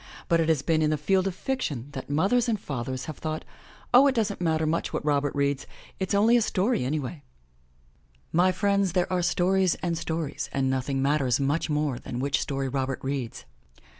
But it has been in the field of fiction that mothers and fathers have thought, "Oh, it doesn't matter much what Robert reads — it's only a story anyway!'' My friends, there are stories and stories and nothing matters much more than which story Robert reads.